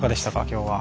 今日は。